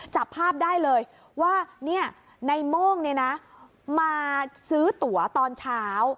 จับภาพได้เลยว่าในโม่งมาซื้อตั๋วตอนเช้า